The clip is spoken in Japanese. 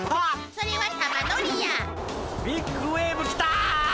それは玉乗りや！ビッグウエーブ来た！